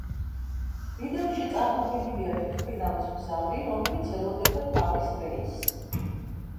ვიდეოში წარმოდგენილია თვითმფრინავის მგზავრი, რომელიც ელოდება თავის რეისს.